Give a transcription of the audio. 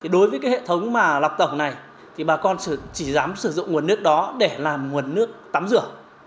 đối với cái hệ thống mà lọc tẩu này thì bà con chỉ dám sử dụng nguồn nước đó để làm nguồn nước tắm rửa